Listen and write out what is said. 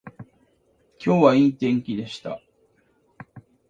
今日はいい天気でした